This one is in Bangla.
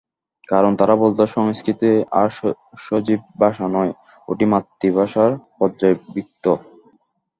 কারণ তারা বলত সংস্কৃত আর সজীব ভাষা নয়, ওটি মৃতভাষার পর্যায়ভুক্ত।